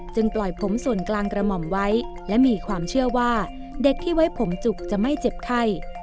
ปล่อยผมส่วนกลางกระหม่อมไว้และมีความเชื่อว่าเด็กที่ไว้ผมจุกจะไม่เจ็บไข้